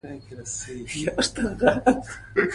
ټولنیزې شبکې د ژبې د ودې لپاره مهمي دي